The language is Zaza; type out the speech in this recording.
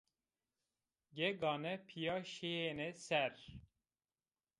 Ge-gane pîya şîyêne ser